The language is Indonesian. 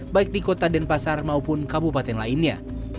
baik di kota dan pasar maupun kabupaten lainnya